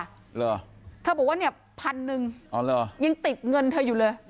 เหรอเธอบอกว่าเนี่ยพันหนึ่งอ๋อเหรอยังติดเงินเธออยู่เลย